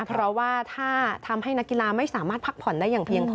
เพราะว่าถ้าทำให้นักกีฬาไม่สามารถพักผ่อนได้อย่างเพียงพอ